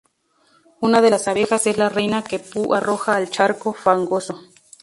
Una de las abejas es la reina que Pooh arroja el charco fangoso.